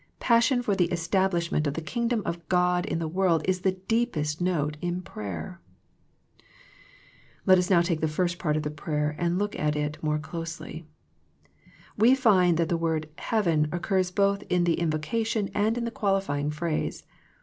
Passion for the establishment of the Kingdom of God in the world is the deepest note in prayer. Now let us take the first part of the prayer and look at it a little more closely. We find that the word ''heaven " occurs both in the invocation and in the qualifying phrase.